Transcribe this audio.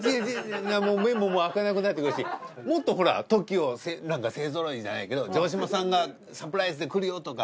もう目も開かなくなってくるしもっとほらＴＯＫＩＯなんか勢ぞろいじゃないけど城島さんがサプライズで来るよとか。